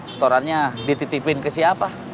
storannya dititipin ke siapa